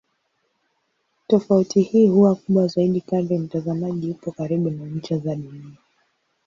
Tofauti hii huwa kubwa zaidi kadri mtazamaji yupo karibu na ncha za Dunia.